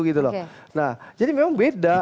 gitu loh nah jadi memang beda